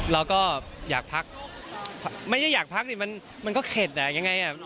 แล้วก็อยากพักไม่ใช่อยากพักมันก็เข็ดยังไง